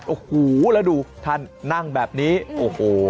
โอ้โหแล้วดูท่านนั่งแบบนี้โอ้โห